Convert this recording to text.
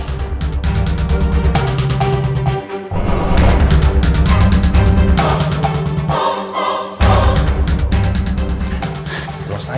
sampai no cuyai